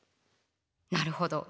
なるほど。